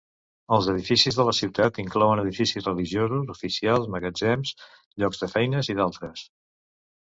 Els edificis de la ciutat inclouen edificis religiosos, oficials, magatzems, llocs de feines, i d'altres.